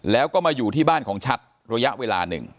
แล้วก็มาอยู่ที่บ้านของชัดระยะเวลาหนึ่ง